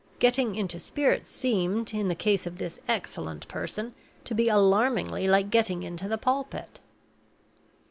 Getting into spirits seemed, in the case of this excellent person, to be alarmingly like getting into the pulpit.